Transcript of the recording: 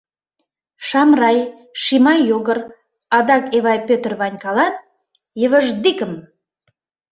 Шамрай, Шимай Йогор, адак Эвай Пӧтыр Ванькалан — йывыждикым!..